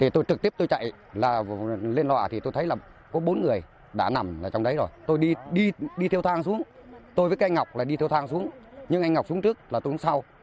tôi đi theo thang xuống tôi với cây ngọc là đi theo thang xuống nhưng anh ngọc xuống trước là tôi xuống sau